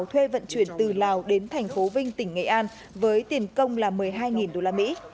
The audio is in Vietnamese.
thuê vận chuyển từ lào đến thành phố vinh tỉnh nghệ an với tiền công là một mươi hai đô la mỹ